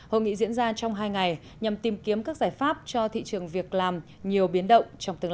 hội nghị diễn ra trong hai ngày nhằm tìm kiếm các giải pháp cho thị trường việc làm nhiều biến động trong tương